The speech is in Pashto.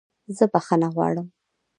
زه بخښنه غواړم